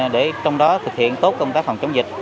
để trong đó thực hiện tốt công tác phòng chống dịch